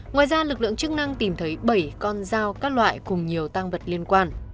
ngoài ra lực lượng chức năng tìm thấy bảy con dao các loại cùng nhiều tăng vật liên quan